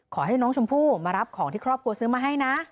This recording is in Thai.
ขอให้น้องชมพู่มารับของที่ครอบครัวซื้อมาให้นะ